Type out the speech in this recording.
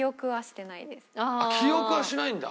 記憶はしないんだ。